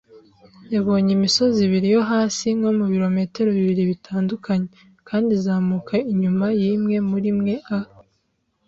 yabonye imisozi ibiri yo hasi, nko mu bilometero bibiri bitandukanye, kandi izamuka inyuma yimwe murimwe a